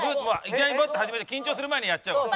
いきなりバッと始めて緊張する前にやっちゃおう。